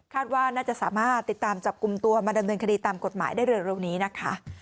ว่าน่าจะสามารถติดตามจับกลุ่มตัวมาดำเนินคดีตามกฎหมายได้เร็วนี้นะคะ